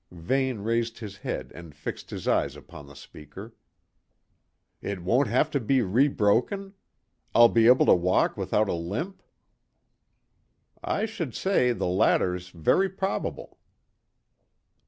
Vane raised his head and fixed his eyes upon the speaker. "It won't have to be rebroken? I'll be able to walk without a limp?" "I should say the latter's very probable."